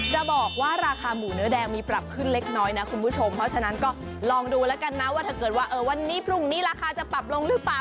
จะบอกว่าราคาหมูเนื้อแดงมีปรับขึ้นเล็กน้อยนะคุณผู้ชมเพราะฉะนั้นก็ลองดูแล้วกันนะว่าถ้าเกิดว่าวันนี้พรุ่งนี้ราคาจะปรับลงหรือเปล่า